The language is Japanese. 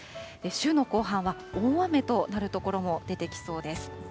週の後半は大雨となる所も出てきそうです。